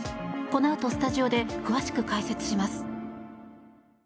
このあとスタジオで詳しく解説します。